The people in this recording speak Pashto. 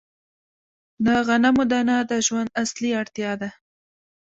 د غنمو دانه د ژوند اصلي اړتیا ده.